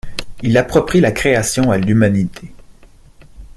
Il approprie la création à l’humanité.